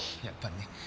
やっぱりね。